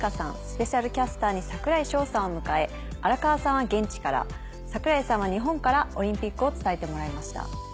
スペシャルキャスターに櫻井翔さんを迎え荒川さんは現地から櫻井さんは日本からオリンピックを伝えてもらいました。